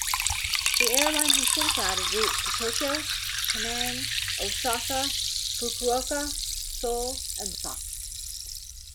The airline has since added routes to Tokyo, Penang, Osaka, Fukuoka, Seoul and Busan.